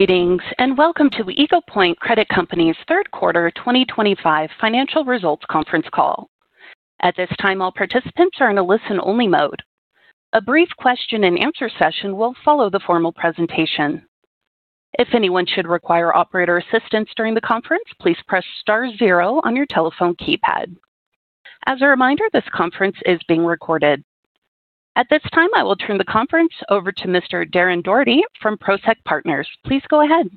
Greetings and welcome to Eagle Point Credit Company's third quarter 2025 financial results conference call. At this time, all participants are in a listen-only mode. A brief question-and-answer session will follow the formal presentation. If anyone should require operator assistance during the conference, please press star zero on your telephone keypad. As a reminder, this conference is being recorded. At this time, I will turn the conference over to Mr. Darren Daugherty from Prosek Partners. Please go ahead.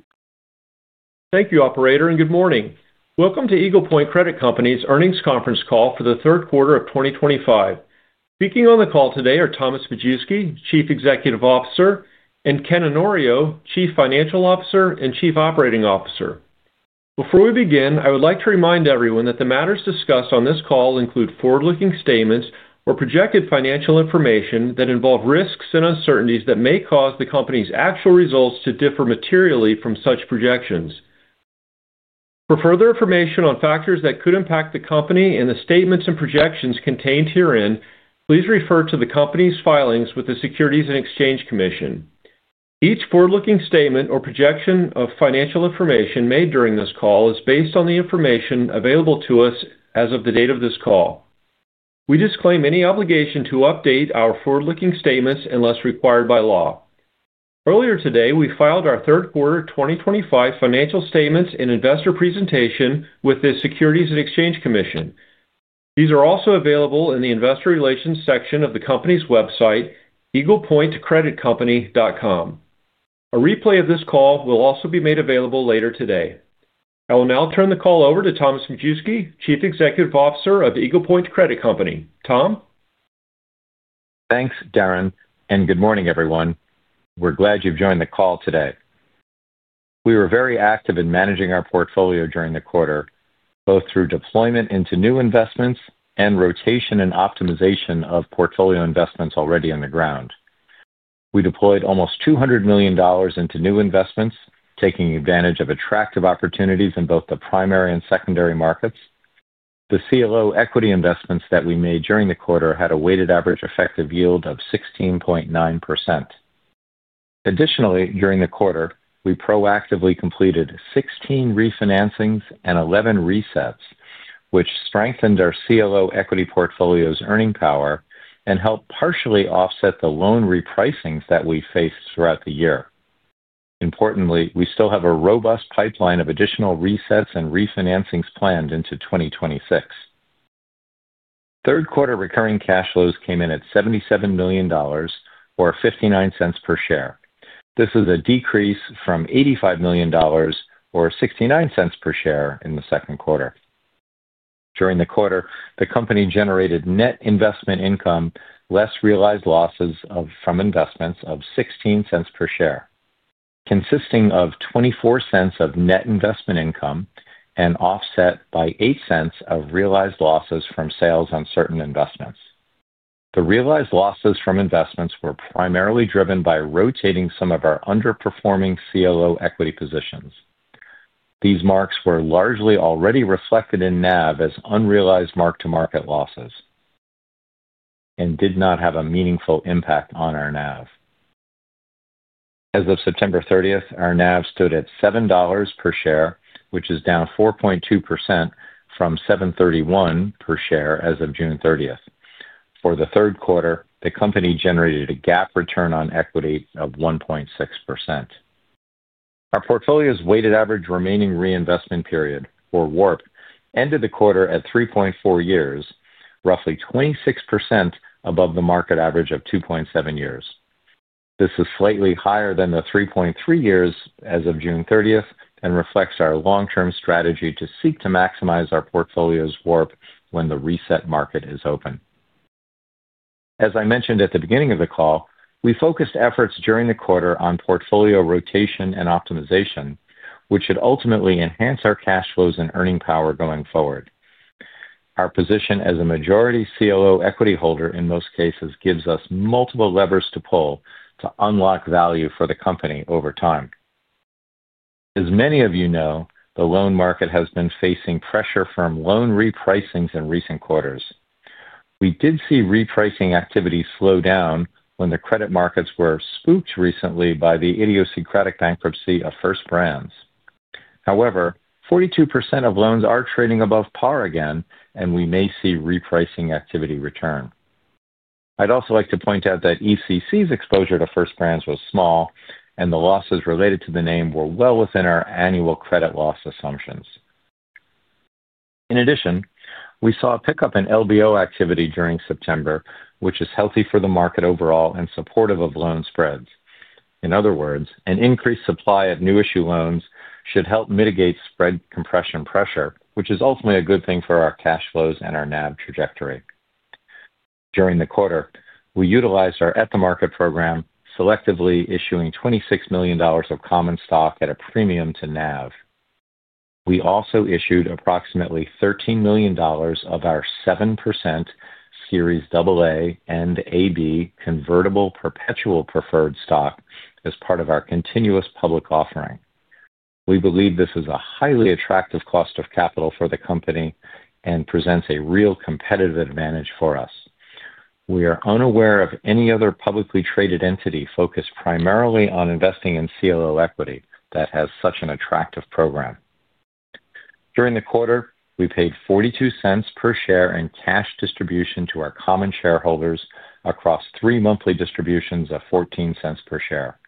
Thank you, Operator, and good morning. Welcome to Eagle Point Credit Company's earnings conference call for the third quarter of 2025. Speaking on the call today are Thomas Majewski, Chief Executive Officer, and Ken Onorio, Chief Financial Officer and Chief Operating Officer. Before we begin, I would like to remind everyone that the matters discussed on this call include forward-looking statements or projected financial information that involve risks and uncertainties that may cause the company's actual results to differ materially from such projections. For further information on factors that could impact the company and the statements and projections contained herein, please refer to the company's filings with the Securities and Exchange Commission. Each forward-looking statement or projection of financial information made during this call is based on the information available to us as of the date of this call. We disclaim any obligation to update our forward-looking statements unless required by law. Earlier today, we filed our third quarter 2025 financial statements and investor presentation with the Securities and Exchange Commission. These are also available in the investor relations section of the company's website, eaglepointcreditcompany.com. A replay of this call will also be made available later today. I will now turn the call over to Thomas Majewski, Chief Executive Officer of Eagle Point Credit Company. Tom? Thanks, Darren, and good morning, everyone. We're glad you've joined the call today. We were very active in managing our portfolio during the quarter, both through deployment into new investments and rotation and optimization of portfolio investments already on the ground. We deployed almost $200 million into new investments, taking advantage of attractive opportunities in both the primary and secondary markets. The CLO equity investments that we made during the quarter had a weighted average effective yield of 16.9%. Additionally, during the quarter, we proactively completed 16 refinancings and 11 resets, which strengthened our CLO equity portfolio's earning power and helped partially offset the loan repricings that we faced throughout the year. Importantly, we still have a robust pipeline of additional resets and refinancings planned into 2026. Third quarter recurring cash flows came in at $77 million or $0.59 per share. This is a decrease from $85 million or $0.69 per share in the second quarter. During the quarter, the company generated net investment income less realized losses from investments of $0.16 per share, consisting of $0.24 of net investment income and offset by $0.08 of realized losses from sales on certain investments. The realized losses from investments were primarily driven by rotating some of our underperforming CLO equity positions. These marks were largely already reflected in NAV as unrealized mark-to-market losses and did not have a meaningful impact on our NAV. As of September 30th, our NAV stood at $7 per share, which is down 4.2% from $7.31 per share as of June 30th. For the third quarter, the company generated a GAAP return on equity of 1.6%. Our portfolio's weighted average remaining reinvestment period, or WARP, ended the quarter at 3.4 years, roughly 26% above the market average of 2.7 years. This is slightly higher than the 3.3 years as of June 30th and reflects our long-term strategy to seek to maximize our portfolio's WARP when the reset market is open. As I mentioned at the beginning of the call, we focused efforts during the quarter on portfolio rotation and optimization, which should ultimately enhance our cash flows and earning power going forward. Our position as a majority CLO equity holder in most cases gives us multiple levers to pull to unlock value for the company over time. As many of you know, the loan market has been facing pressure from loan repricings in recent quarters. We did see repricing activity slow down when the credit markets were spooked recently by the idiosyncratic bankruptcy of First Brands. However, 42% of loans are trading above par again, and we may see repricing activity return. I'd also like to point out that ECC's exposure to First Brands was small, and the losses related to the name were well within our annual credit loss assumptions. In addition, we saw a pickup in LBO activity during September, which is healthy for the market overall and supportive of loan spreads. In other words, an increased supply of new issue loans should help mitigate spread compression pressure, which is ultimately a good thing for our cash flows and our NAV trajectory. During the quarter, we utilized our at-the-market program, selectively issuing $26 million of common stock at a premium to NAV. We also issued approximately $13 million of our 7% Series AA and AB convertible perpetual preferred stock as part of our continuous public offering. We believe this is a highly attractive cost of capital for the company and presents a real competitive advantage for us. We are unaware of any other publicly traded entity focused primarily on investing in CLO equity that has such an attractive program. During the quarter, we paid $0.42 per share in cash distribution to our common shareholders across three monthly distributions of $0.14 per share.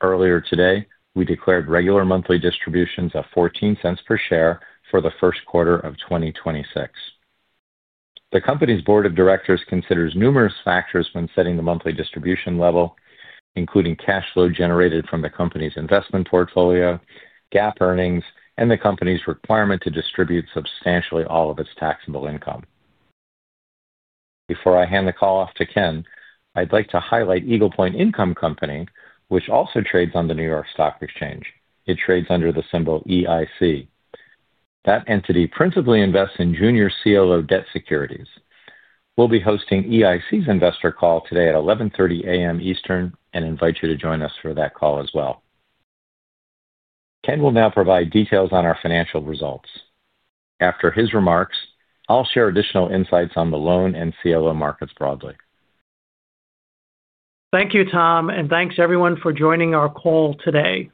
Earlier today, we declared regular monthly distributions of $0.14 per share for the first quarter of 2026. The company's board of directors considers numerous factors when setting the monthly distribution level, including cash flow generated from the company's investment portfolio, GAAP earnings, and the company's requirement to distribute substantially all of its taxable income. Before I hand the call off to Ken, I'd like to highlight Eagle Point Income Company, which also trades on the New York Stock Exchange. It trades under the symbol EIC. That entity principally invests in junior CLO debt securities. We will be hosting EIC's investor call today at 11:30 A.M. Eastern and invite you to join us for that call as well. Ken will now provide details on our financial results. After his remarks, I will share additional insights on the loan and CLO markets broadly. Thank you, Tom, and thanks everyone for joining our call today.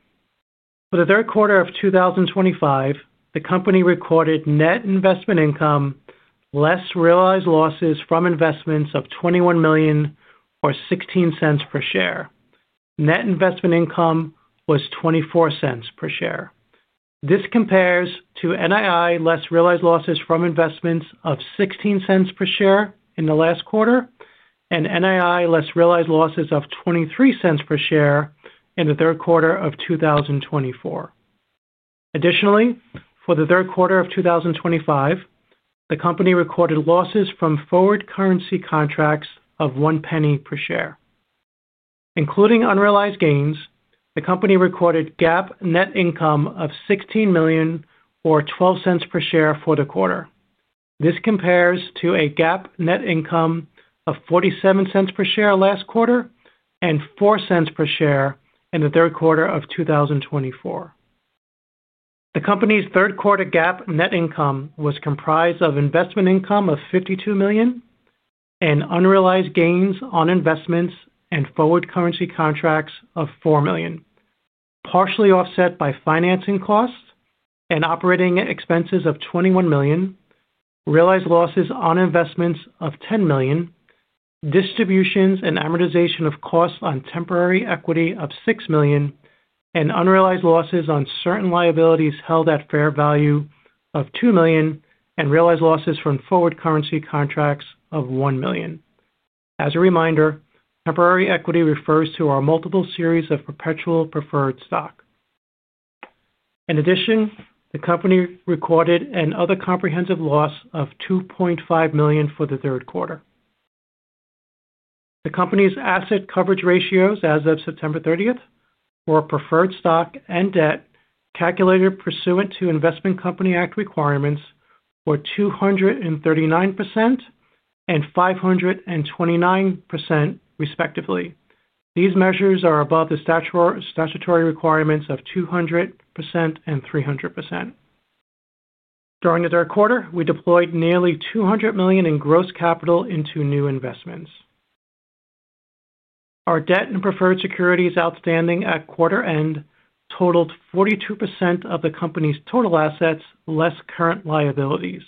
For the third quarter of 2025, the company recorded net investment income less realized losses from investments of $21 million or $0.16 per share. Net investment income was $0.24 per share. This compares to NII less realized losses from investments of $0.16 per share in the last quarter and NII less realized losses of $0.23 per share in the third quarter of 2024. Additionally, for the third quarter of 2025, the company recorded losses from forward currency contracts of $0.01 per share. Including unrealized gains, the company recorded GAAP net income of $16 million or $0.12 per share for the quarter. This compares to a GAAP net income of $0.47 per share last quarter and $0.04 per share in the third quarter of 2024. The company's third quarter GAAP net income was comprised of investment income of $52 million and unrealized gains on investments and forward currency contracts of $4 million, partially offset by financing costs and operating expenses of $21 million, realized losses on investments of $10 million, distributions and amortization of costs on temporary equity of $6 million, and unrealized losses on certain liabilities held at fair value of $2 million and realized losses from forward currency contracts of $1 million. As a reminder, temporary equity refers to our multiple series of perpetual preferred stock. In addition, the company recorded another comprehensive loss of $2.5 million for the third quarter. The company's asset coverage ratios as of September 30th for preferred stock and debt calculated pursuant to Investment Company Act requirements were 239% and 529%, respectively. These measures are above the statutory requirements of 200% and 300%. During the third quarter, we deployed nearly $200 million in gross capital into new investments. Our debt and preferred securities outstanding at quarter end totaled 42% of the company's total assets less current liabilities,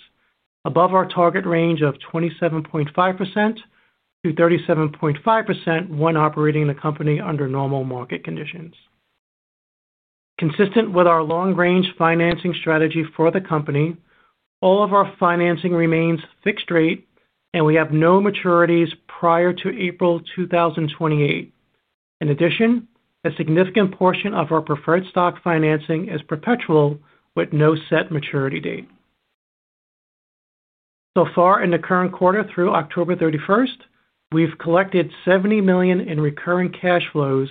above our target range of 27.5%-37.5% when operating the company under normal market conditions. Consistent with our long-range financing strategy for the company, all of our financing remains fixed rate, and we have no maturities prior to April 2028. In addition, a significant portion of our preferred stock financing is perpetual with no set maturity date. So far, in the current quarter through October 31st, we've collected $70 million in recurring cash flows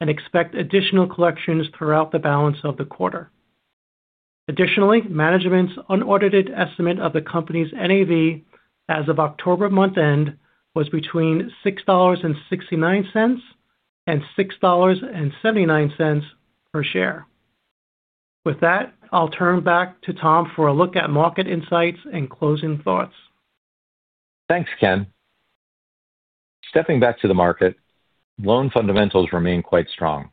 and expect additional collections throughout the balance of the quarter. Additionally, management's unaudited estimate of the company's NAV as of October month end was between $6.69 and $6.79 per share. With that, I'll turn back to Tom for a look at market insights and closing thoughts. Thanks, Ken. Stepping back to the market, loan fundamentals remain quite strong.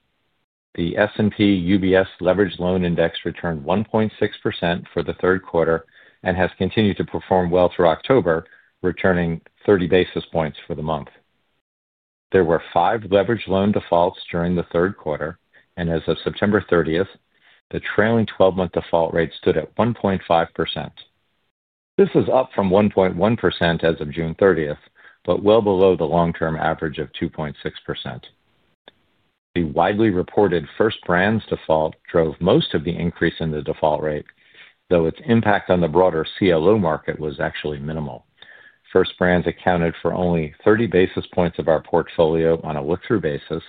The S&P UBS Leveraged Loan Index returned 1.6% for the third quarter and has continued to perform well through October, returning 30 basis points for the month. There were five leveraged loan defaults during the third quarter, and as of September 30th, the trailing 12-month default rate stood at 1.5%. This is up from 1.1% as of June 30th, but well below the long-term average of 2.6%. The widely reported First Brands default drove most of the increase in the default rate, though its impact on the broader CLO market was actually minimal. First Brands accounted for only 30 basis points of our portfolio on a look-through basis,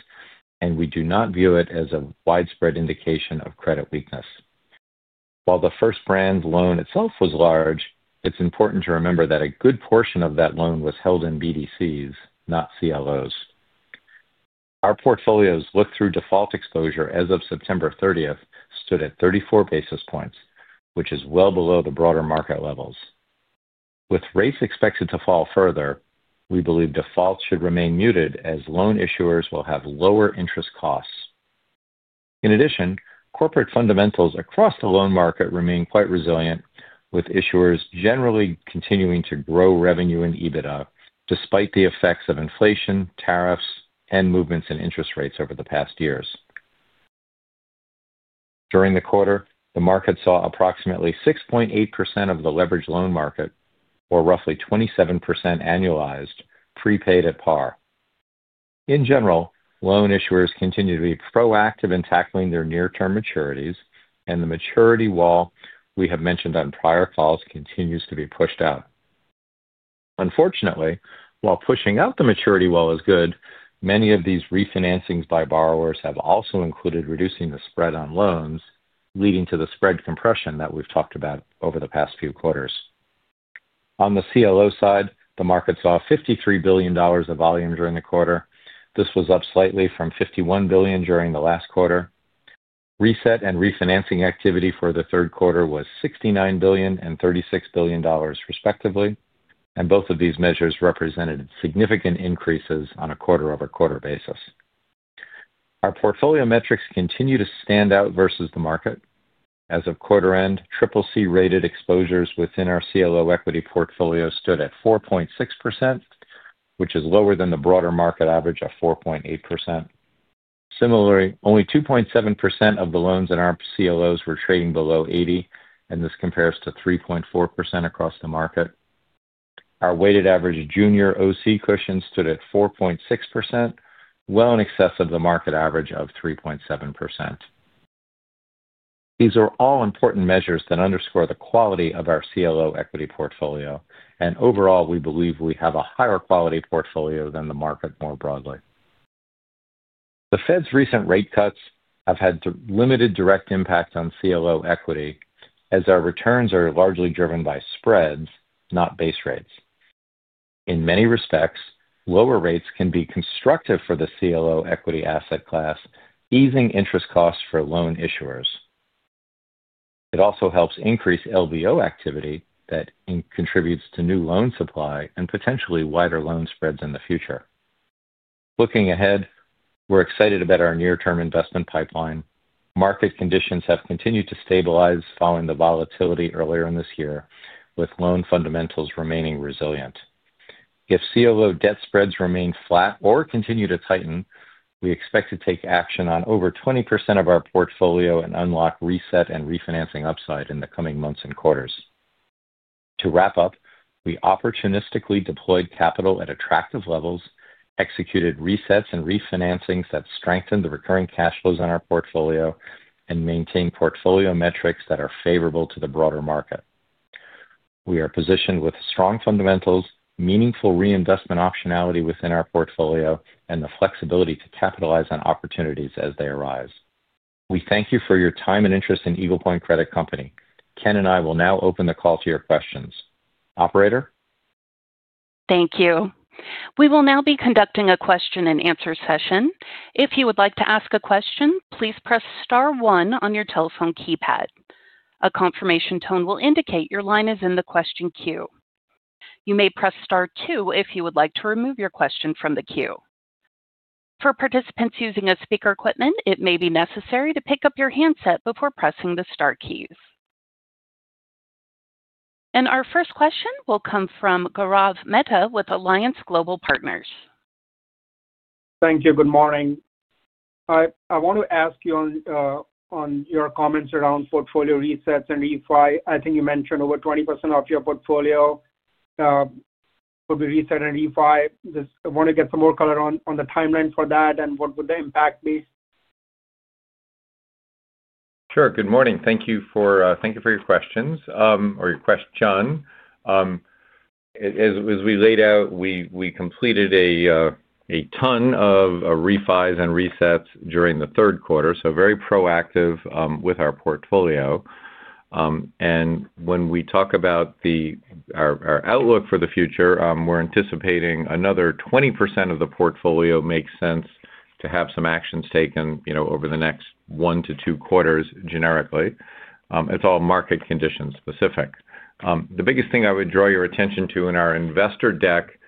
and we do not view it as a widespread indication of credit weakness. While the First Brands loan itself was large, it's important to remember that a good portion of that loan was held in BDCs, not CLOs. Our portfolio's look-through default exposure as of September 30th stood at 34 basis points, which is well below the broader market levels. With rates expected to fall further, we believe defaults should remain muted as loan issuers will have lower interest costs. In addition, corporate fundamentals across the loan market remain quite resilient, with issuers generally continuing to grow revenue in EBITDA despite the effects of inflation, tariffs, and movements in interest rates over the past years. During the quarter, the market saw approximately 6.8% of the leveraged loan market, or roughly 27% annualized, prepaid at par. In general, loan issuers continue to be proactive in tackling their near-term maturities, and the maturity wall we have mentioned on prior calls continues to be pushed out. Unfortunately, while pushing out the maturity wall is good, many of these refinancings by borrowers have also included reducing the spread on loans, leading to the spread compression that we have talked about over the past few quarters. On the CLO side, the market saw $53 billion of volume during the quarter. This was up slightly from $51 billion during the last quarter. Reset and refinancing activity for the third quarter was $69 billion and $36 billion, respectively, and both of these measures represented significant increases on a quarter-over-quarter basis. Our portfolio metrics continue to stand out versus the market. As of quarter end, CCC-rated exposures within our CLO equity portfolio stood at 4.6%, which is lower than the broader market average of 4.8%. Similarly, only 2.7% of the loans in our CLOs were trading below 80%, and this compares to 3.4% across the market. Our weighted average junior OC cushion stood at 4.6%, well in excess of the market average of 3.7%. These are all important measures that underscore the quality of our CLO equity portfolio, and overall, we believe we have a higher quality portfolio than the market more broadly. The Fed's recent rate cuts have had limited direct impact on CLO equity, as our returns are largely driven by spreads, not base rates. In many respects, lower rates can be constructive for the CLO equity asset class, easing interest costs for loan issuers. It also helps increase LBO activity that contributes to new loan supply and potentially wider loan spreads in the future. Looking ahead, we're excited about our near-term investment pipeline. Market conditions have continued to stabilize following the volatility earlier in this year, with loan fundamentals remaining resilient. If CLO debt spreads remain flat or continue to tighten, we expect to take action on over 20% of our portfolio and unlock reset and refinancing upside in the coming months and quarters. To wrap up, we opportunistically deployed capital at attractive levels, executed resets and refinancings that strengthened the recurring cash flows in our portfolio, and maintained portfolio metrics that are favorable to the broader market. We are positioned with strong fundamentals, meaningful reinvestment optionality within our portfolio, and the flexibility to capitalize on opportunities as they arise. We thank you for your time and interest in Eagle Point Credit Company. Ken and I will now open the call to your questions. Operator? Thank you. We will now be conducting a question-and-answer session. If you would like to ask a question, please press star one on your telephone keypad. A confirmation tone will indicate your line is in the question queue. You may press star two if you would like to remove your question from the queue. For participants using speaker equipment, it may be necessary to pick up your handset before pressing the star keys. Our first question will come from Gaurav Mehta with Alliance Global Partners. Thank you. Good morning. I want to ask you on your comments around portfolio resets and refi; I think you mentioned over 20% of your portfolio will be reset and refied. I want to get some more color on the timeline for that and what would the impact be? Sure. Good morning. Thank you for your questions or your question, John. As we laid out, we completed a ton of refi's and resets during the third quarter, so very proactive with our portfolio. When we talk about our outlook for the future, we're anticipating another 20% of the portfolio makes sense to have some actions taken over the next one to two quarters generically. It's all market condition-specific. The biggest thing I would draw your attention to in our investor deck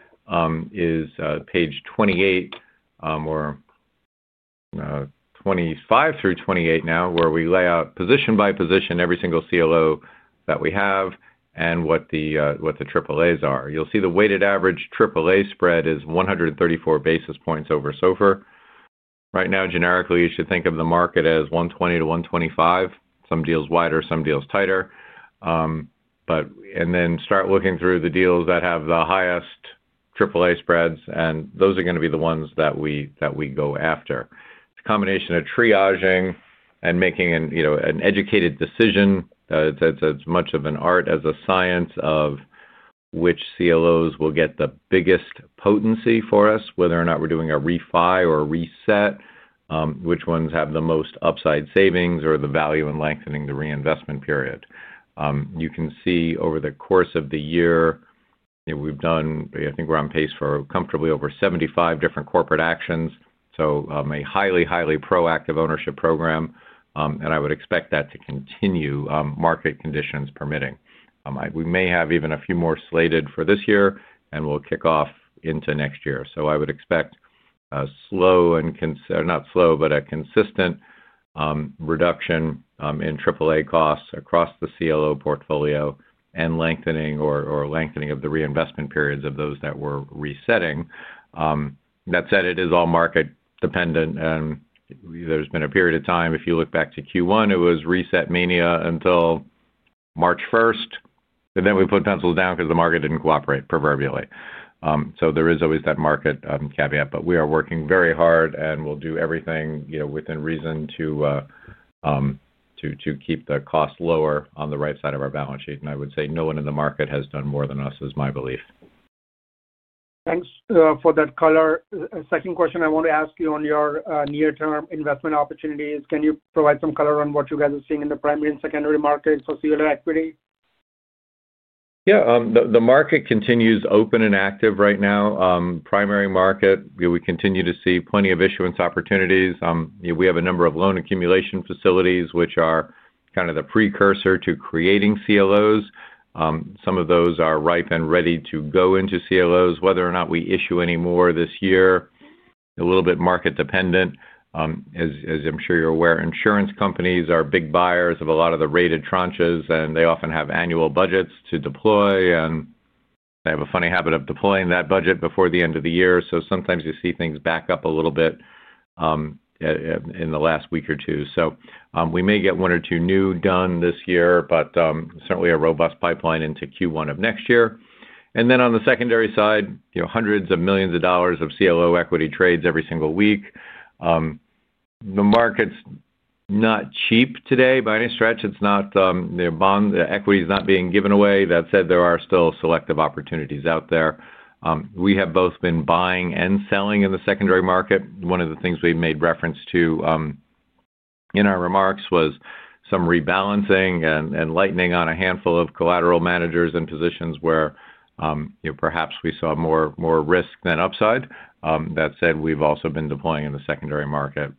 is page 28 or 25 through 28 now, where we lay out position by position every single CLO that we have and what the AAAs are. You'll see the weighted average AAA spread is 134 basis points over SOFR. Right now, generically, you should think of the market as 120-125 basis points, some deals wider, some deals tighter. Then start looking through the deals that have the highest AAA spreads, and those are going to be the ones that we go after. It is a combination of triaging and making an educated decision. It is as much of an art as a science of which CLOs will get the biggest potency for us, whether or not we are doing a refi or reset, which ones have the most upside savings or the value in lengthening the reinvestment period. You can see over the course of the year, we have done, I think we are on pace for comfortably over 75 different corporate actions, so a highly, highly proactive ownership program, and I would expect that to continue market conditions permitting. We may have even a few more slated for this year, and we will kick off into next year. I would expect a consistent reduction in AAA costs across the CLO portfolio and lengthening of the reinvestment periods of those that we're resetting. That said, it is all market-dependent, and there's been a period of time if you look back to Q1, it was reset mania until March 1st, and then we put pencils down because the market did not cooperate proverbially. There is always that market caveat, but we are working very hard, and we'll do everything within reason to keep the cost lower on the right side of our balance sheet. I would say no one in the market has done more than us, is my belief. Thanks for that color. Second question I want to ask you on your near-term investment opportunities. Can you provide some color on what you guys are seeing in the primary and secondary markets for CLO equity? Yeah. The market continues open and active right now. Primary market, we continue to see plenty of issuance opportunities. We have a number of loan accumulation facilities, which are kind of the precursor to creating CLOs. Some of those are ripe and ready to go into CLOs, whether or not we issue any more this year, a little bit market-dependent. As I'm sure you're aware, insurance companies are big buyers of a lot of the rated tranches, and they often have annual budgets to deploy, and they have a funny habit of deploying that budget before the end of the year. Sometimes you see things back up a little bit in the last week or two. We may get one or two new done this year, but certainly a robust pipeline into Q1 of next year. On the secondary side, hundreds of millions of dollars of CLO equity trades every single week. The market's not cheap today by any stretch. The equity is not being given away. That said, there are still selective opportunities out there. We have both been buying and selling in the secondary market. One of the things we made reference to in our remarks was some rebalancing and lightening on a handful of collateral managers and positions where perhaps we saw more risk than upside. That said, we've also been deploying in the secondary market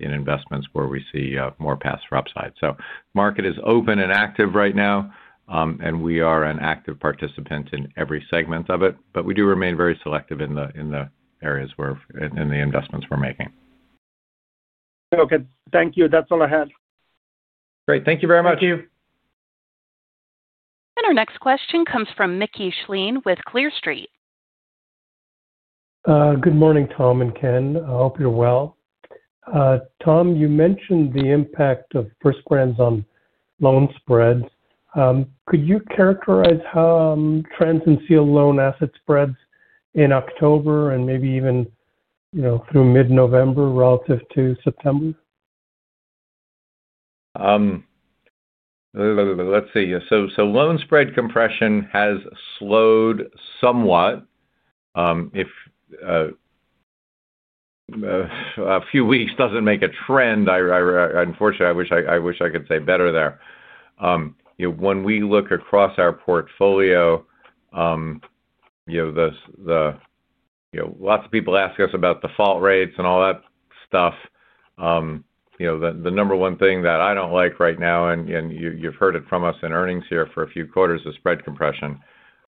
in investments where we see more paths for upside. The market is open and active right now, and we are an active participant in every segment of it, but we do remain very selective in the areas and the investments we're making. Okay. Thank you. That's all I had. Great. Thank you very much. Thank you. Our next question comes from Mickey Schleien with Clear Street. Good morning, Tom and Ken. I hope you're well. Tom, you mentioned the impact of First Brands on loan spreads. Could you characterize how trends in CLO asset spreads in October and maybe even through mid-November relative to September? Let's see. Loan spread compression has slowed somewhat. If a few weeks does not make a trend, unfortunately, I wish I could say better there. When we look across our portfolio, lots of people ask us about default rates and all that stuff. The number one thing that I do not like right now, and you have heard it from us in earnings here for a few quarters, is spread compression.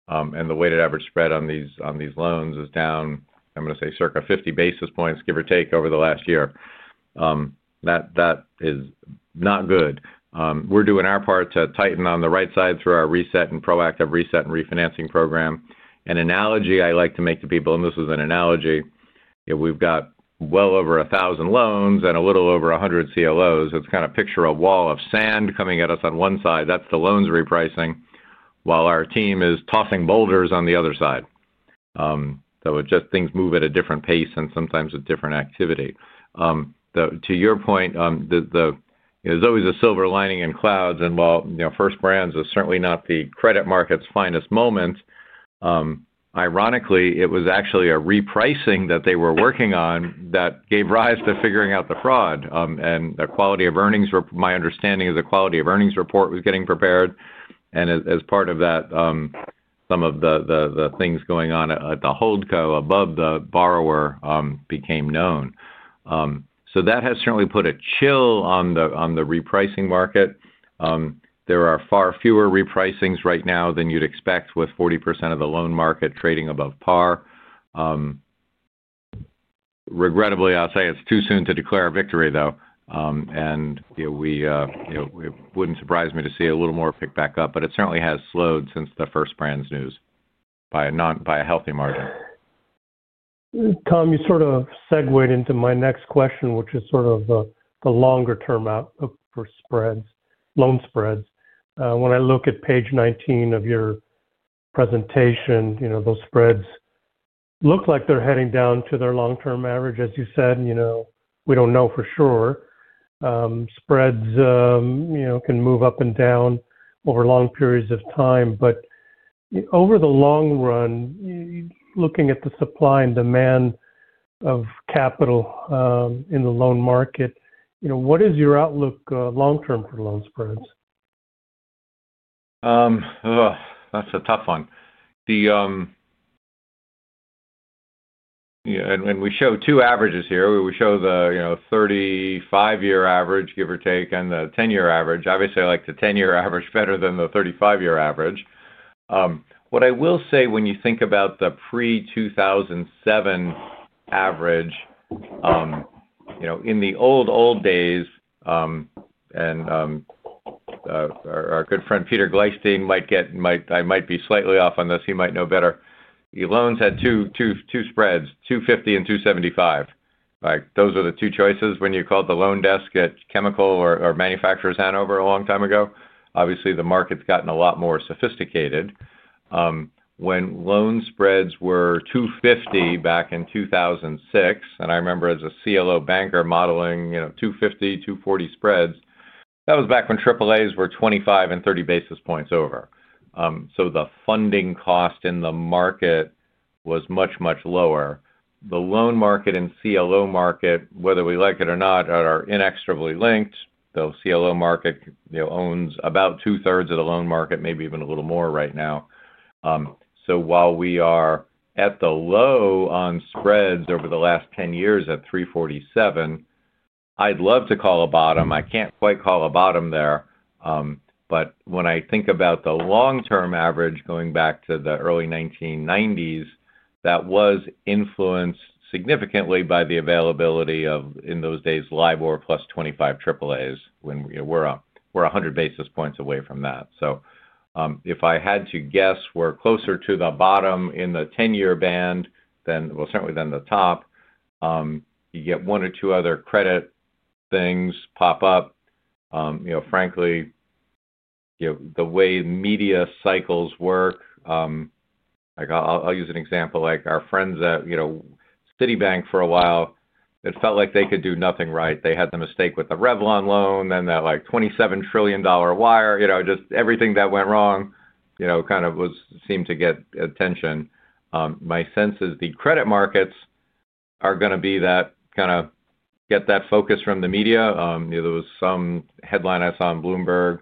The weighted average spread on these loans is down, I am going to say, circa 50 basis points, give or take, over the last year. That is not good. We are doing our part to tighten on the right side through our reset and proactive reset and refinancing program. An analogy I like to make to people, and this is an analogy, we have well over 1,000 loans and a little over 100 CLOs. It's kind of picture a wall of sand coming at us on one side. That's the loans repricing, while our team is tossing boulders on the other side. Things move at a different pace and sometimes with different activity. To your point, there's always a silver lining in clouds. While First Brands is certainly not the credit market's finest moment, ironically, it was actually a repricing that they were working on that gave rise to figuring out the fraud. The quality of earnings, my understanding is the quality of earnings report was getting prepared. As part of that, some of the things going on at the holdco above the borrower became known. That has certainly put a chill on the repricing market. There are far fewer repricings right now than you'd expect with 40% of the loan market trading above par. Regrettably, I'll say it's too soon to declare a victory, though. It wouldn't surprise me to see a little more pick back up, but it certainly has slowed since the First Brands news by a healthy margin. Tom, you sort of segued into my next question, which is sort of the longer term outlook for loan spreads. When I look at page 19 of your presentation, those spreads look like they're heading down to their long-term average, as you said. We don't know for sure. Spreads can move up and down over long periods of time. Over the long run, looking at the supply and demand of capital in the loan market, what is your outlook long-term for loan spreads? That's a tough one. We show two averages here. We show the 35-year average, give or take, and the 10-year average. Obviously, I like the 10-year average better than the 35-year average. What I will say when you think about the pre-2007 average, in the old, old days, and our good friend Peter Gleysteen might get—I might be slightly off on this. He might know better. Loans had two spreads: 250 basis points and 275 basis points. Those were the two choices when you called the loan desk at Chemical or Manufacturers Hanover a long time ago. Obviously, the market's gotten a lot more sophisticated. When loan spreads were 250 basis points back in 2006, and I remember as a CLO banker modeling 250 basis points, 240 basis points spreads, that was back when AAAs were 25 basis points and 30 basis points over. The funding cost in the market was much, much lower. The loan market and CLO market, whether we like it or not, are inexorably linked. The CLO market owns about 2/3 of the loan market, maybe even a little more right now. While we are at the low on spreads over the last 10 years at 347 basis points, I'd love to call a bottom. I can't quite call a bottom there. When I think about the long-term average going back to the early 1990s, that was influenced significantly by the availability of, in those days, LIBOR plus 25 AAAs when we're 100 basis points away from that. If I had to guess, we're closer to the bottom in the 10-year band, certainly than the top. You get one or two other credit things pop up. Frankly, the way media cycles work, I'll use an example. Our friends at Citibank for a while, it felt like they could do nothing right. They had the mistake with the Revlon loan and that $27 trillion wire. Just everything that went wrong kind of seemed to get attention. My sense is the credit markets are going to be that kind of get that focus from the media. There was some headline I saw on Bloomberg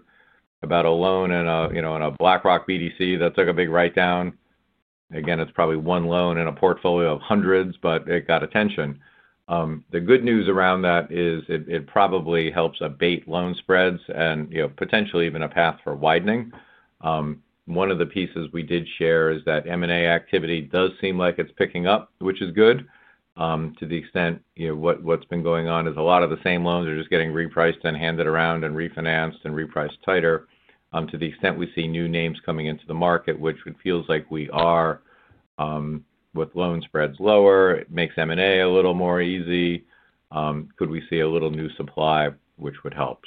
about a loan in a BlackRock BDC that took a big write-down. Again, it's probably one loan in a portfolio of hundreds, but it got attention. The good news around that is it probably helps abate loan spreads and potentially even a path for widening. One of the pieces we did share is that M&A activity does seem like it's picking up, which is good to the extent what's been going on is a lot of the same loans are just getting repriced and handed around and refinanced and repriced tighter. To the extent we see new names coming into the market, which feels like we are with loan spreads lower, it makes M&A a little more easy. Could we see a little new supply, which would help?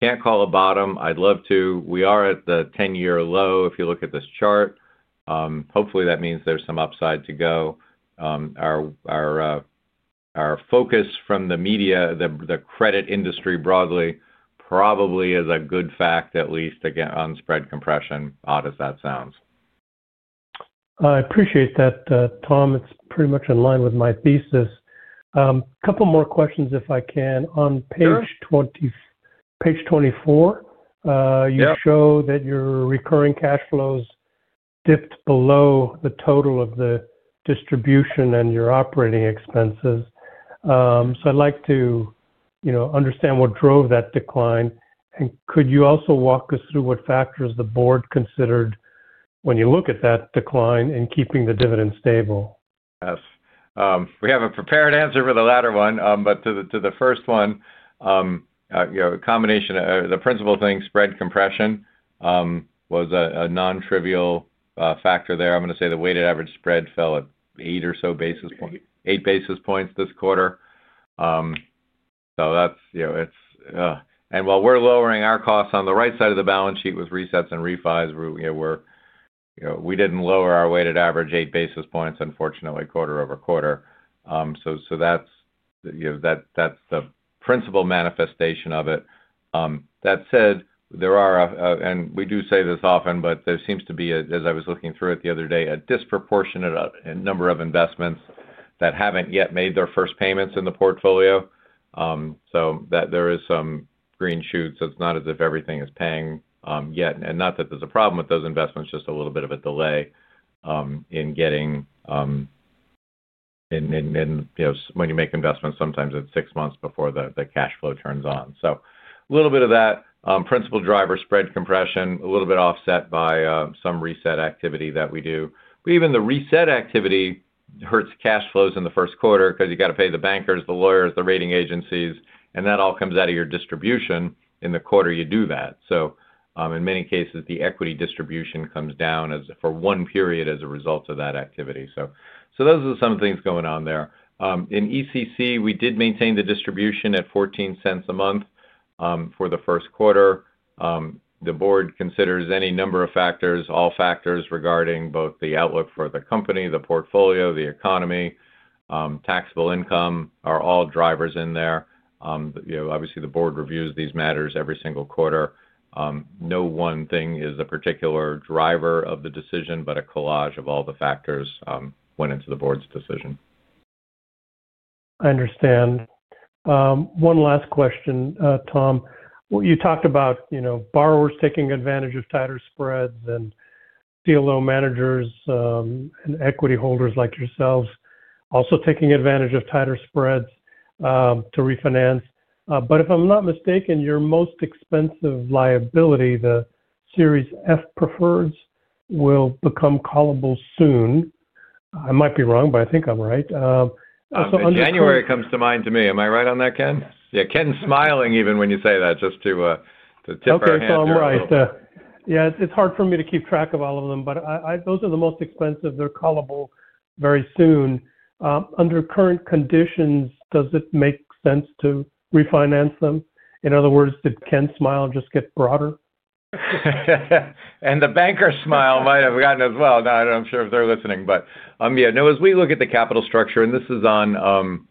Can't call a bottom. I'd love to. We are at the 10-year low if you look at this chart. Hopefully, that means there's some upside to go. Our focus from the media, the credit industry broadly, probably is a good fact, at least on spread compression, odd as that sounds. I appreciate that, Tom. It's pretty much in line with my thesis. A couple more questions if I can. On page 24, you show that your recurring cash flows dipped below the total of the distribution and your operating expenses. I'd like to understand what drove that decline. Could you also walk us through what factors the board considered when you look at that decline in keeping the dividend stable? Yes. We have a prepared answer for the latter one, but to the first one, the principal thing, spread compression, was a non-trivial factor there. I'm going to say the weighted average spread fell at eight or so basis points, eight basis points this quarter. That is it. While we're lowering our costs on the right side of the balance sheet with resets and refis, we did not lower our weighted average eight basis points, unfortunately, quarter-over-quarter. That is the principal manifestation of it. That said, there are—and we do say this often—there seems to be, as I was looking through it the other day, a disproportionate number of investments that have not yet made their first payments in the portfolio. There are some green shoots. It is not as if everything is paying yet. Not that there's a problem with those investments, just a little bit of a delay in getting—when you make investments, sometimes it's six months before the cash flow turns on. A little bit of that principal driver spread compression, a little bit offset by some reset activity that we do. Even the reset activity hurts cash flows in the first quarter because you got to pay the bankers, the lawyers, the rating agencies, and that all comes out of your distribution in the quarter you do that. In many cases, the equity distribution comes down for one period as a result of that activity. Those are some of the things going on there. In ECC, we did maintain the distribution at $0.14 a month for the first quarter. The board considers any number of factors, all factors regarding both the outlook for the company, the portfolio, the economy, taxable income are all drivers in there. Obviously, the board reviews these matters every single quarter. No one thing is a particular driver of the decision, but a collage of all the factors went into the board's decision. I understand. One last question, Tom. You talked about borrowers taking advantage of tighter spreads and CLO managers and equity holders like yourselves also taking advantage of tighter spreads to refinance. If I'm not mistaken, your most expensive liability, the Series F Preferreds, will become callable soon. I might be wrong, but I think I'm right. January comes to mind to me. Am I right on that, Ken? Yeah. Ken's smiling even when you say that, just to temper everything. Okay. So I'm right. Yeah. It's hard for me to keep track of all of them, but those are the most expensive. They're callable very soon. Under current conditions, does it make sense to refinance them? In other words, did Ken's smile just get broader? The banker's smile might have gotten as well. I'm sure if they're listening. As we look at the capital structure, and this is on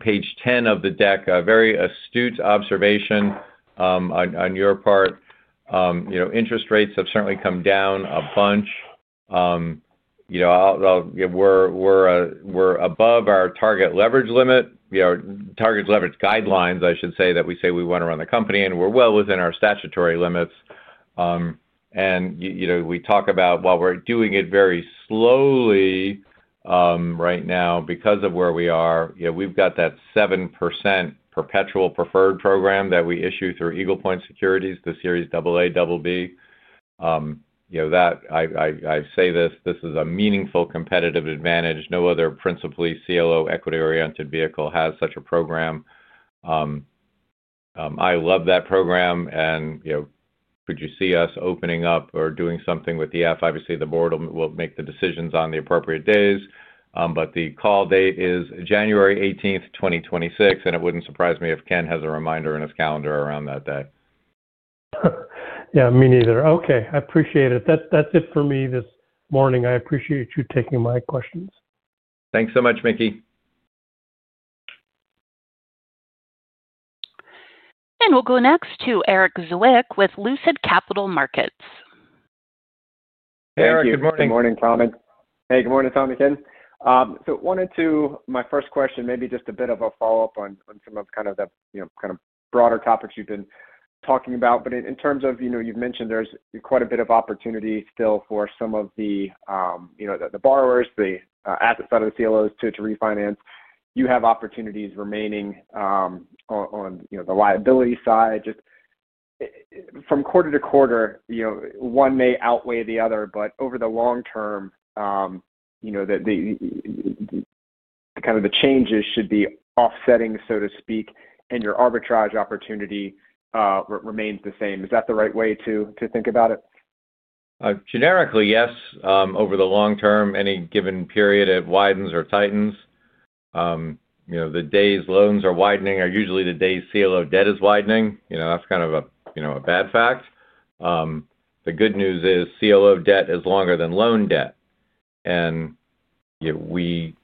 page 10 of the deck, a very astute observation on your part. Interest rates have certainly come down a bunch. We're above our target leverage limit, target leverage guidelines, I should say, that we say we want to run the company, and we're well within our statutory limits. We talk about while we're doing it very slowly right now, because of where we are, we've got that 7% perpetual preferred program that we issue through Eagle Point Securities, the Series AA, BB. I say this: this is a meaningful competitive advantage. No other principally CLO equity-oriented vehicle has such a program. I love that program. Could you see us opening up or doing something with the F? Obviously, the board will make the decisions on the appropriate days. The call date is January 18th, 2026, and it wouldn't surprise me if Ken has a reminder in his calendar around that day. Yeah. Me neither. Okay. I appreciate it. That's it for me this morning. I appreciate you taking my questions. Thanks so much, Mickey. We will go next to Erik Zwick with Lucid Capital Markets. Hey, Erik. Good morning. Good morning, Tom. Hey, good morning, Tom and Ken. Wanted to—my first question, maybe just a bit of a follow-up on some of kind of the kind of broader topics you've been talking about. In terms of, you've mentioned there's quite a bit of opportunity still for some of the borrowers, the asset side of the CLOs to refinance. You have opportunities remaining on the liability side. Just from quarter to quarter, one may outweigh the other, but over the long term, kind of the changes should be offsetting, so to speak, and your arbitrage opportunity remains the same. Is that the right way to think about it? Generically, yes. Over the long term, any given period, it widens or tightens. The days loans are widening are usually the days CLO debt is widening. That's kind of a bad fact. The good news is CLO debt is longer than loan debt. We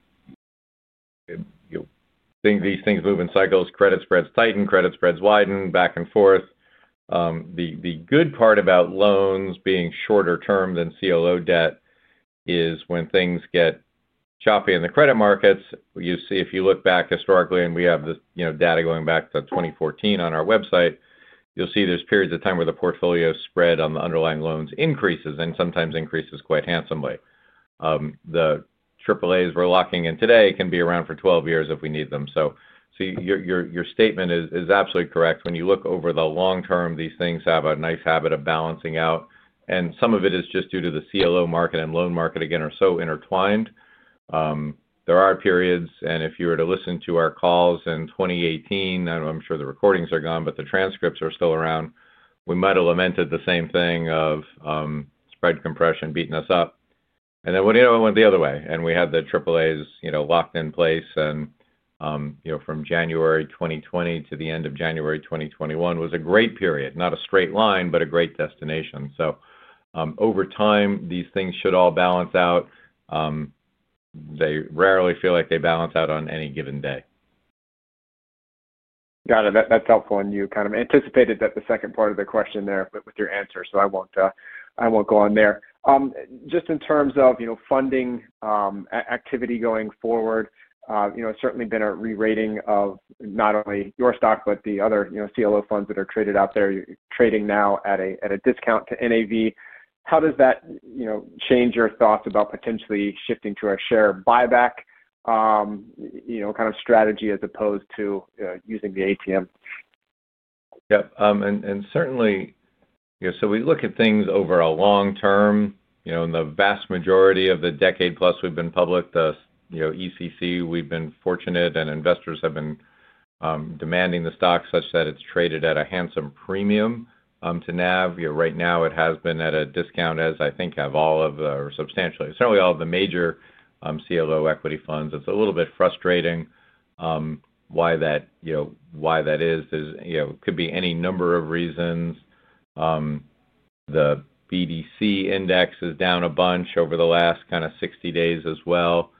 think these things move in cycles. Credit spreads tighten, credit spreads widen, back and forth. The good part about loans being shorter term than CLO debt is when things get choppy in the credit markets, you see if you look back historically, and we have this data going back to 2014 on our website, you will see there are periods of time where the portfolio spread on the underlying loans increases and sometimes increases quite handsomely. The AAAs we are locking in today can be around for 12 years if we need them. Your statement is absolutely correct. When you look over the long term, these things have a nice habit of balancing out. Some of it is just due to the CLO market and loan market, again, are so intertwined. There are periods, and if you were to listen to our calls in 2018, I'm sure the recordings are gone, but the transcripts are still around, we might have lamented the same thing of spread compression beating us up. Then it went the other way, and we had the AAAs locked in place. From January 2020 to the end of January 2021 was a great period, not a straight line, but a great destination. Over time, these things should all balance out. They rarely feel like they balance out on any given day. Got it. That's helpful. You kind of anticipated that the second part of the question there with your answer, so I won't go on there. Just in terms of funding activity going forward, it's certainly been a re-rating of not only your stock, but the other CLO funds that are traded out there. You're trading now at a discount to NAV. How does that change your thoughts about potentially shifting to a share buyback kind of strategy as opposed to using the ATM? Yep. Certainly, we look at things over a long term. In the vast majority of the decade plus we have been public, the ECC, we have been fortunate, and investors have been demanding the stock such that it has traded at a handsome premium to NAV. Right now, it has been at a discount, as I think have all of the substantially, certainly all of the major CLO equity funds. It is a little bit frustrating why that is. There could be any number of reasons. The BDC index is down a bunch over the last kind of 60 days as well.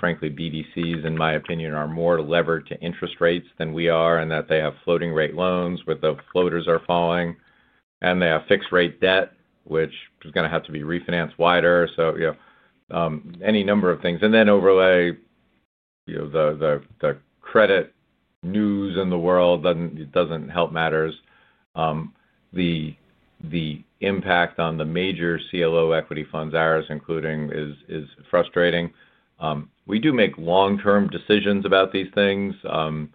Frankly, BDCs, in my opinion, are more levered to interest rates than we are in that they have floating-rate loans with the floaters are falling. They have fixed-rate debt, which is going to have to be refinanced wider. Any number of things. Then overlay, the credit news in the world does not help matters. The impact on the major CLO equity funds, ours including, is frustrating. We do make long-term decisions about these things. Our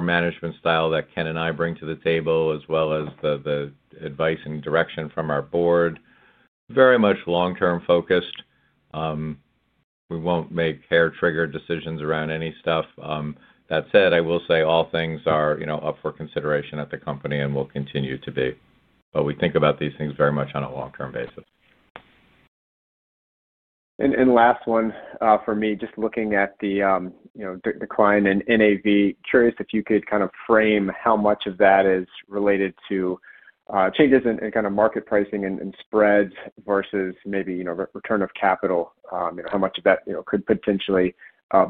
management style that Ken and I bring to the table, as well as the advice and direction from our board, is very much long-term focused. We will not make hair-triggered decisions around any stuff. That said, I will say all things are up for consideration at the company and will continue to be. We think about these things very much on a long-term basis. Last one for me, just looking at the decline in NAV, curious if you could kind of frame how much of that is related to changes in kind of market pricing and spreads versus maybe return of capital, how much of that could potentially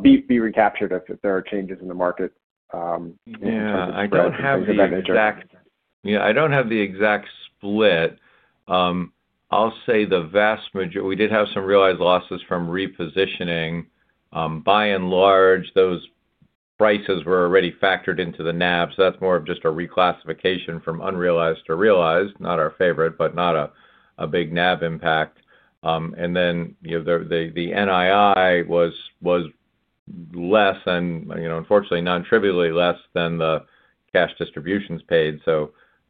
be recaptured if there are changes in the market in terms of that. Yeah. I don't have the exact—yeah, I don't have the exact split. I'll say the vast majority, we did have some realized losses from repositioning. By and large, those prices were already factored into the NAV, so that's more of just a reclassification from unrealized to realized, not our favorite, but not a big NAV impact. The NII was less and, unfortunately, non-trivially less than the cash distributions paid.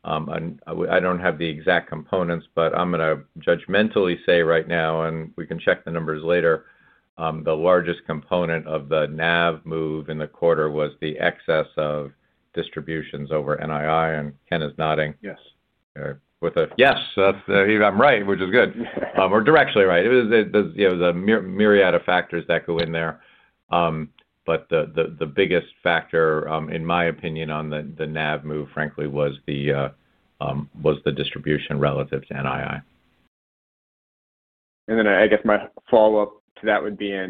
I don't have the exact components, but I'm going to judgmentally say right now, and we can check the numbers later, the largest component of the NAV move in the quarter was the excess of distributions over NII. Ken is nodding. Yes. Yes. I'm right, which is good. We're directionally right. It was a myriad of factors that go in there. The biggest factor, in my opinion, on the NAV move, frankly, was the distribution relative to NII. I guess my follow-up to that would be, I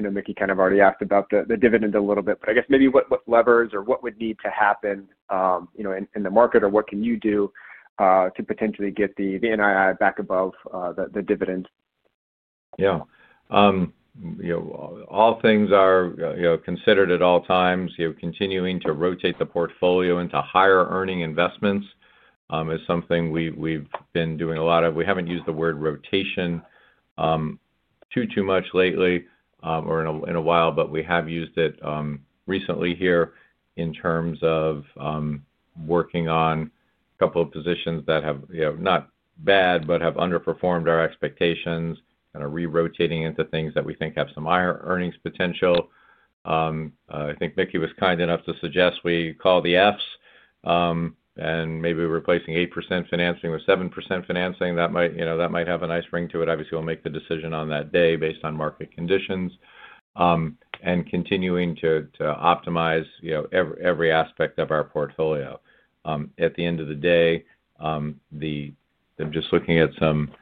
know Mickey kind of already asked about the dividend a little bit, but I guess maybe what levers or what would need to happen in the market, or what can you do to potentially get the NII back above the dividend? Yeah. All things are considered at all times. Continuing to rotate the portfolio into higher-earning investments is something we've been doing a lot of. We haven't used the word rotation too, too much lately or in a while, but we have used it recently here in terms of working on a couple of positions that have not bad, but have underperformed our expectations, kind of rerotating into things that we think have some higher earnings potential. I think Mickey was kind enough to suggest we call the Fs and maybe replacing 8% financing with 7% financing. That might have a nice ring to it. Obviously, we'll make the decision on that day based on market conditions and continuing to optimize every aspect of our portfolio. At the end of the day, I'm just looking at some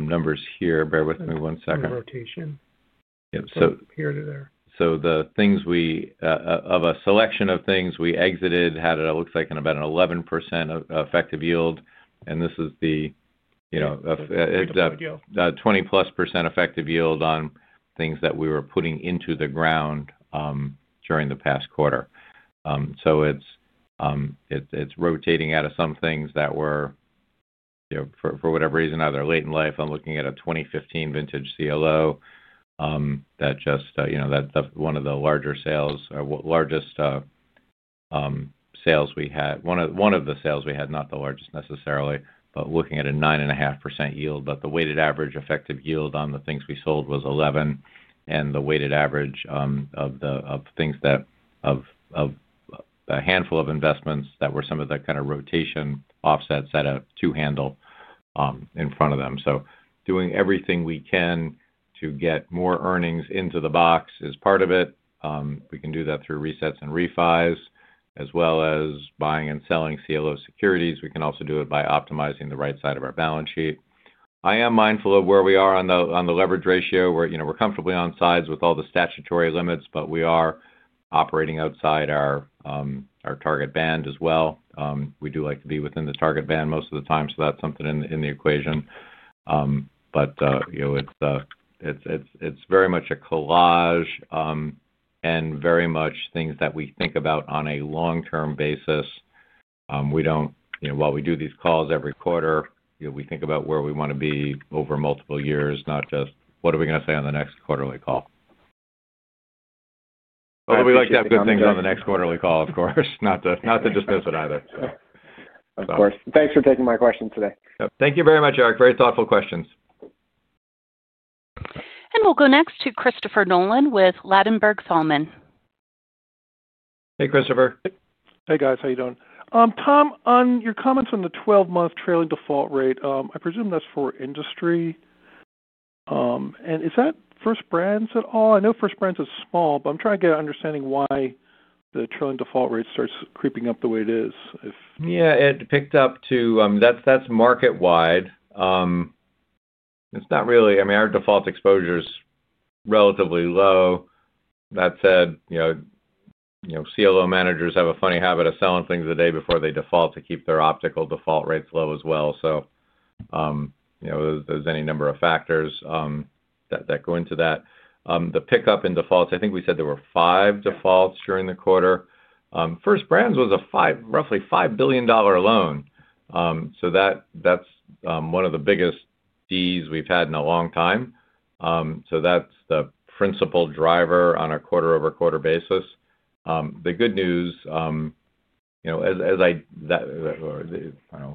numbers here. Bear with me one second. Rotation. Yeah. So. From here to there. The things we, of a selection of things, we exited, had it, it looks like, in about an 11% effective yield. This is the. That's a good deal. 20%+ effective yield on things that we were putting into the ground during the past quarter. It is rotating out of some things that were, for whatever reason, either late in life. I am looking at a 2015 vintage CLO that just—that is one of the larger sales or largest sales we had. One of the sales we had, not the largest necessarily, but looking at a 9.5% yield. The weighted average effective yield on the things we sold was 11%, and the weighted average of things that, of a handful of investments that were some of the kind of rotation offsets, had a two-handle in front of them. Doing everything we can to get more earnings into the box is part of it. We can do that through resets and refis, as well as buying and selling CLO securities. We can also do it by optimizing the right side of our balance sheet. I am mindful of where we are on the leverage ratio. We're comfortably on sides with all the statutory limits, but we are operating outside our target band as well. We do like to be within the target band most of the time, so that's something in the equation. It is very much a collage and very much things that we think about on a long-term basis. We do not—while we do these calls every quarter, we think about where we want to be over multiple years, not just, "What are we going to say on the next quarterly call? We like to have good things on the next quarterly call, of course, not to dismiss it either, so. Of course. Thanks for taking my questions today. Yep. Thank you very much, Erik. Very thoughtful questions. We'll go next to Christopher Nolan with Ladenburg Thalmann. Hey, Christopher. Hey, guys. How are you doing? Tom, on your comments on the 12-month trailing default rate, I presume that's for industry. Is that First Brands at all? I know First Brands is small, but I'm trying to get an understanding why the trailing default rate starts creeping up the way it is, if. Yeah. It picked up to—that's market-wide. It's not really—I mean, our default exposure is relatively low. That said, CLO managers have a funny habit of selling things the day before they default to keep their optical default rates low as well. There are any number of factors that go into that. The pickup in defaults, I think we said there were five defaults during the quarter. First Brands was a roughly $5 billion loan. That's one of the biggest Ds we've had in a long time. That's the principal driver on a quarter-over-quarter basis. The good news, as I—or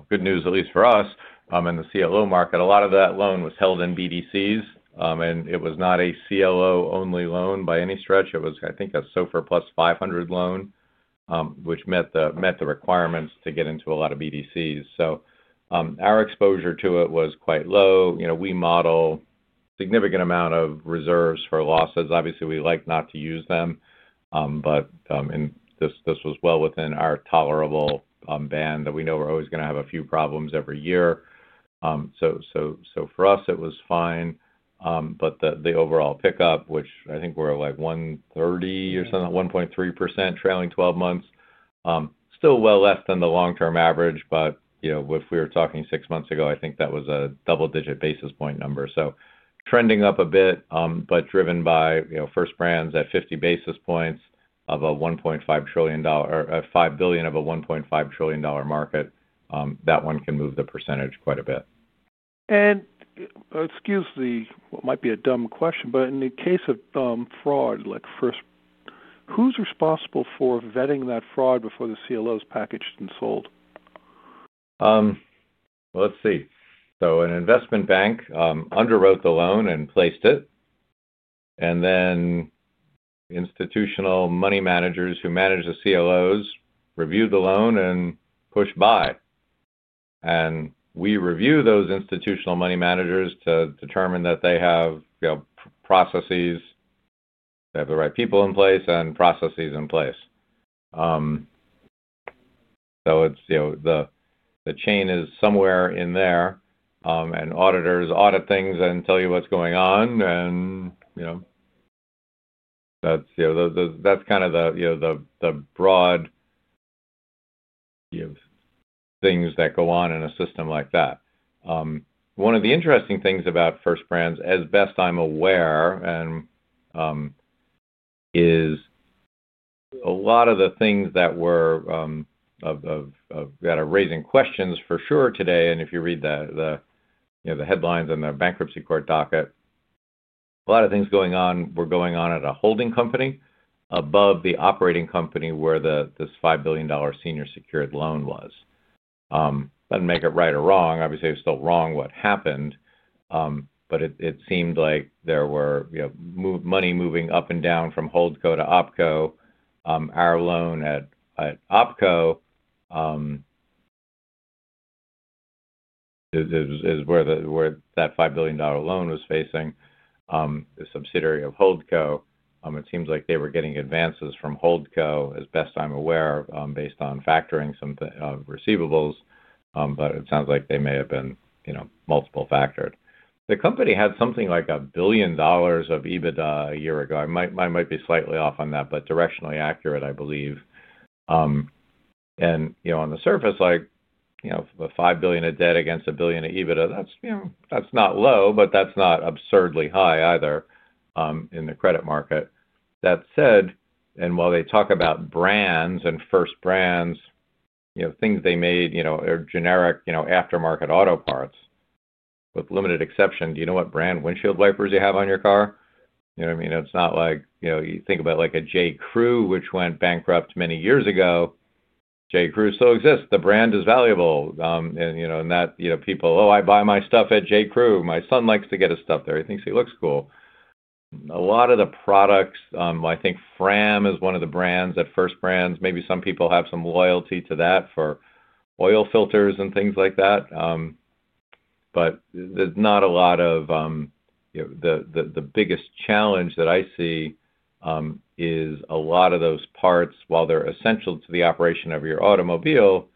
good news, at least for us in the CLO market, a lot of that loan was held in BDCs, and it was not a CLO-only loan by any stretch. It was, I think, a SOFR Plus 500 loan, which met the requirements to get into a lot of BDCs. Our exposure to it was quite low. We model a significant amount of reserves for losses. Obviously, we like not to use them, but this was well within our tolerable band that we know we're always going to have a few problems every year. For us, it was fine. The overall pickup, which I think we're like 1.30% or something, 1.3% trailing 12 months, still well less than the long-term average. If we were talking six months ago, I think that was a double-digit basis point number. Trending up a bit, but driven by First Brands at 50 basis points of a $1.5 trillion or $5 billion of a $1.5 trillion market, that one can move the percentage quite a bit. Excuse the—what might be a dumb question, but in the case of fraud, like First, who's responsible for vetting that fraud before the CLO is packaged and sold? Let us see. An investment bank underwrote the loan and placed it. Institutional money managers who manage the CLOs reviewed the loan and pushed buy. We review those institutional money managers to determine that they have processes, they have the right people in place, and processes in place. The chain is somewhere in there, and auditors audit things and tell you what is going on. That is kind of the broad things that go on in a system like that. One of the interesting things about First Brands, as best I am aware, is a lot of the things that were kind of raising questions for sure today. If you read the headlines in the bankruptcy court docket, a lot of things were going on at a holding company above the operating company where this $5 billion senior secured loan was. Doesn't make it right or wrong. Obviously, I'm still wrong what happened, but it seemed like there were money moving up and down from holdco to opco. Our loan at opco is where that $5 billion loan was facing. The subsidiary of holdco, it seems like they were getting advances from holdco, as best I'm aware, based on factoring some receivables. It sounds like they may have been multiple factored. The company had something like $1 billion of EBITDA a year ago. I might be slightly off on that, but directionally accurate, I believe. On the surface, like the $5 billion of debt against $1 billion of EBITDA, that's not low, but that's not absurdly high either in the credit market. That said, while they talk about brands and First Brands, things they made are generic aftermarket auto parts with limited exception. Do you know what brand windshield wipers you have on your car? You know what I mean? It's not like you think about like a J. Crew, which went bankrupt many years ago. J. Crew still exists. The brand is valuable. And that people, "Oh, I buy my stuff at J. Crew. My son likes to get his stuff there. He thinks he looks cool." A lot of the products, I think Fram is one of the brands at First Brands. Maybe some people have some loyalty to that for oil filters and things like that. But there's not a lot of the biggest challenge that I see is a lot of those parts, while they're essential to the operation of your automobile,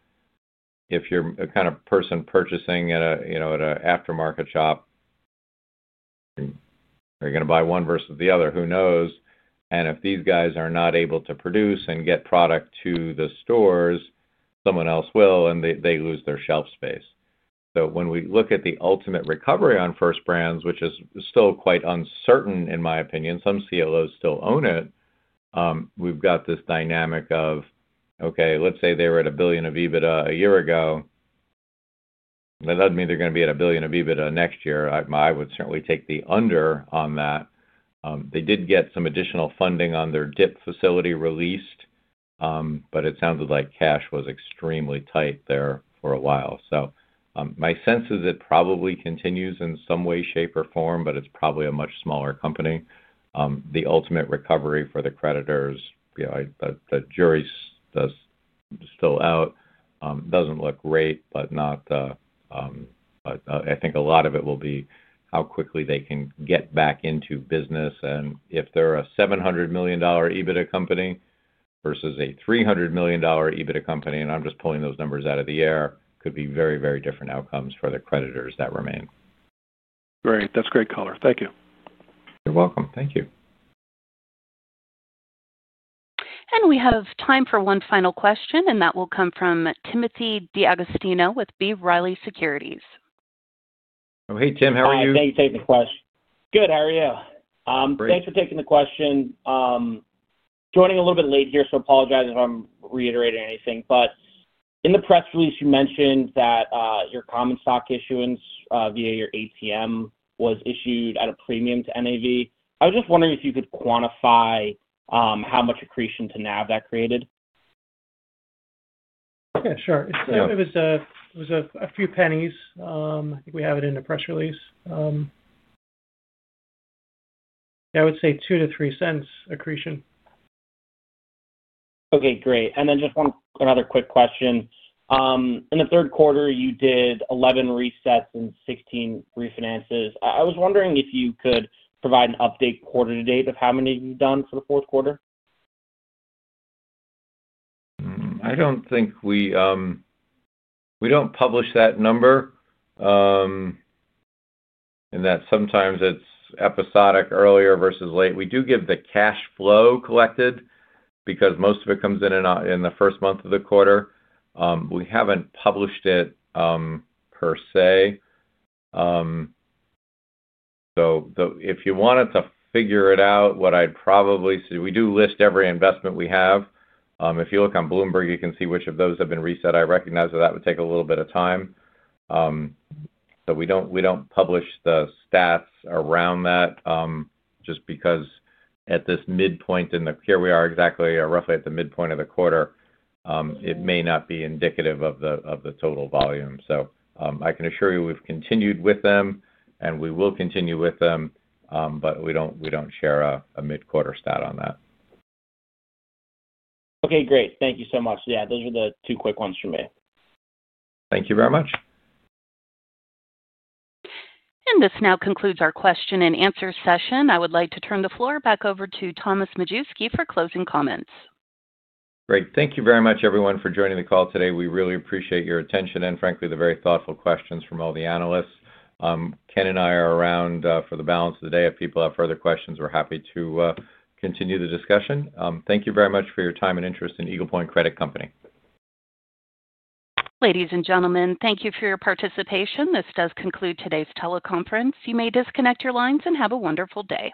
if you're a kind of person purchasing at an aftermarket shop, are you going to buy one versus the other? Who knows? If these guys are not able to produce and get product to the stores, someone else will, and they lose their shelf space. When we look at the ultimate recovery on First Brands, which is still quite uncertain, in my opinion, some CLOs still own it, we've got this dynamic of, "Okay, let's say they were at $1 billion of EBITDA a year ago. That doesn't mean they're going to be at $1 billion of EBITDA next year. I would certainly take the under on that." They did get some additional funding on their DIP facility released, but it sounded like cash was extremely tight there for a while. My sense is it probably continues in some way, shape, or form, but it's probably a much smaller company. The ultimate recovery for the creditors, the jury's still out. Doesn't look great, but I think a lot of it will be how quickly they can get back into business. If they're a $700 million EBITDA company versus a $300 million EBITDA company, and I'm just pulling those numbers out of the air, could be very, very different outcomes for the creditors that remain. Great. That's great, caller. Thank you. You're welcome. Thank you. We have time for one final question, and that will come from Timothy D'Agostino with B. Riley Securities. Hey, Tim. How are you? Hi. Thanks for taking the question. Good. How are you? Great. Thanks for taking the question. Joining a little bit late here, so apologize if I'm reiterating anything. In the press release, you mentioned that your common stock issuance via your ATM was issued at a premium to NAV. I was just wondering if you could quantify how much accretion to NAV that created. Yeah. Sure. It was a few pennies. I think we have it in the press release. Yeah. I would say $0.02-$0.03 accretion. Okay. Great. And then just another quick question. In the third quarter, you did 11 resets and 16 refinances. I was wondering if you could provide an update quarter to date of how many you've done for the fourth quarter. I don't think we don't publish that number, and that sometimes it's episodic earlier versus late. We do give the cash flow collected because most of it comes in in the first month of the quarter. We haven't published it per se. If you wanted to figure it out, what I'd probably say is we do list every investment we have. If you look on Bloomberg, you can see which of those have been reset. I recognize that that would take a little bit of time. We do not publish the stats around that just because at this midpoint in the year we are exactly or roughly at the midpoint of the quarter, it may not be indicative of the total volume. I can assure you we have continued with them, and we will continue with them, but we do not share a mid-quarter stat on that. Okay. Great. Thank you so much. Yeah. Those were the two quick ones from me. Thank you very much. This now concludes our question and answer session. I would like to turn the floor back over to Thomas Majewski for closing comments. Great. Thank you very much, everyone, for joining the call today. We really appreciate your attention and, frankly, the very thoughtful questions from all the analysts. Ken and I are around for the balance of the day. If people have further questions, we're happy to continue the discussion. Thank you very much for your time and interest in Eagle Point Credit Company. Ladies and gentlemen, thank you for your participation. This does conclude today's teleconference. You may disconnect your lines and have a wonderful day.